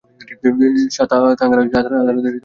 Sir, থাঙ্গারাজকে আদালতের দায়িত্ব দেওয়া হয়েছে।